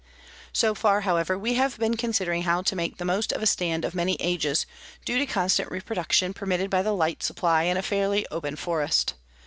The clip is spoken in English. So far, however, we have been considering how to make the most of a stand of many ages, due to constant reproduction permitted by the light supply in a fairly open forest.